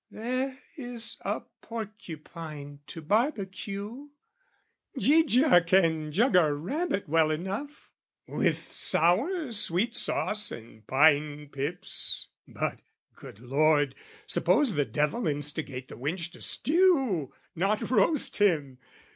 (There is a porcupine to barbacue; Gigia can jug a rabbit well enough, With sour sweet sauce and pine pips; but, good Lord, Suppose the devil instigate the wench To stew, not roast him?